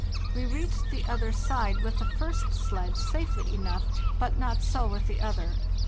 We reached the other side with the first sledge safely enough, but not so with the other.